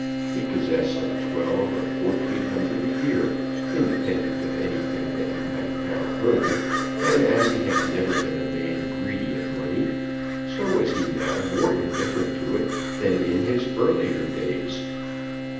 He possessed some twelve or fourteen hundred a year independent of anything that he might now earn; and, as he had never been a man greedy of money, so was he now more indifferent to it than in his earlier days.